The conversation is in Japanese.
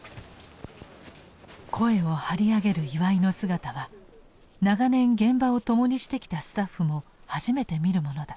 声を張り上げる岩井の姿は長年現場を共にしてきたスタッフも初めて見るものだ。